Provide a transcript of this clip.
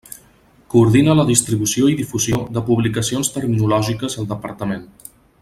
Coordina la distribució i difusió de publicacions terminològiques al Departament.